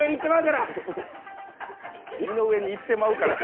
井上に行ってまうから！